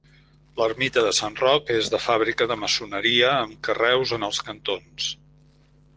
L'Ermita de Sant Roc, és de fàbrica de maçoneria, amb carreus en els cantons.